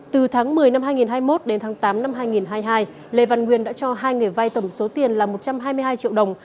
từ tháng một mươi năm hai nghìn hai mươi một đến tháng tám năm hai nghìn hai mươi hai lê văn nguyên đã cho hai người vai tổng số tiền là một trăm hai mươi hai triệu đồng